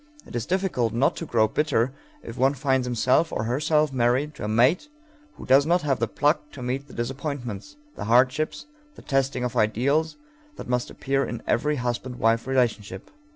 It is difficult not to grow bitter if one finds himself or herself married to a mate who does not have the pluck to meet the disappointments, the hardships, the testing of ideals, that must appear in every husband wife relationship.